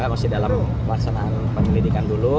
masih dalam pelaksanaan penyelidikan dulu